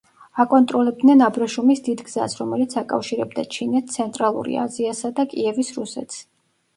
აკონტროლებდნენ აბრეშუმის დიდ გზას რომელიც აკავშირებდა ჩინეთს, ცენტრალური აზიასა და კიევის რუსეთს.